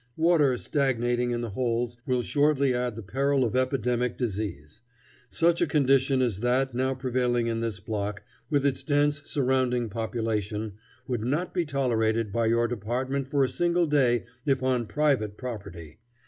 Water stagnating in the holes will shortly add the peril of epidemic disease. Such a condition as that now prevailing in this block, with its dense surrounding population, would not be tolerated by your department for a single day if on private property.